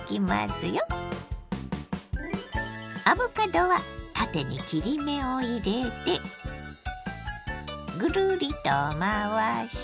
アボカドは縦に切り目を入れてぐるりと回して。